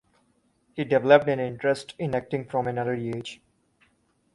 He developed an interest in acting from an early age.